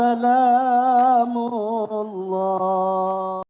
assalamualaikum warahmatullahi wabarakatuh